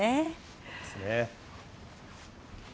そうですね。